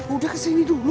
udah kesini dulu